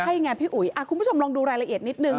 ใช่ไงพี่อุ๋ยคุณผู้ชมลองดูรายละเอียดนิดนึง